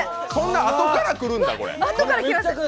こんなあとからくるんだこれ。